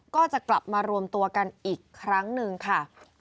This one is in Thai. ก็จะกลับมารวมตัวกันอีกครั้งหนึ่งค่ะ